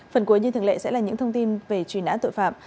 phần cuối như thường lệ sẽ là những thông tin về truy nã tội phạm